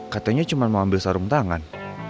katanya cuma mau ambil sarung tangan